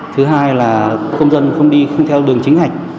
thứ hai là công dân không đi theo đường chính hạch